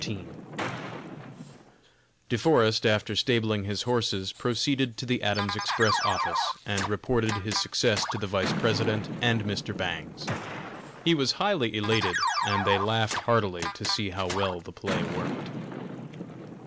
_ De Forest, after stabling his horses, proceeded to the Adams Express Office and reported his success to the Vice President and Mr. Bangs. He was highly elated, and they laughed heartily to see how well the play worked.